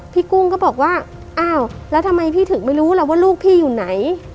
กุ้งก็บอกว่าอ้าวแล้วทำไมพี่ถึงไม่รู้ล่ะว่าลูกพี่อยู่ไหน